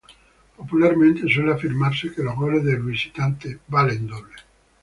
Popularmente, suele afirmarse que los goles de visitante "valen doble".